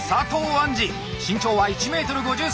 杏莉身長は１ｍ５３。